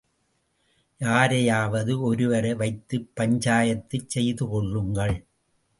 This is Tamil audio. யாரையாவது ஒருவரை வைத்துப் பஞ்சாயத்துச் செய்துகொள்ளுங்கள்.